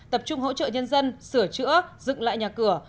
tập trung hỗ trợ nhân dân sửa chữa dựng lại nhà cửa